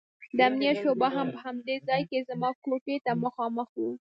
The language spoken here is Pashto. د امنيت شعبه هم په همدې ځاى کښې زما کوټې ته مخامخ وه.